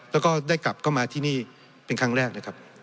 แล้วก็ได้กลับเข้ามาที่นี่เป็นครั้งแรกนะครับ